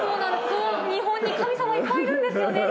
日本に神様いっぱいいるんですよね。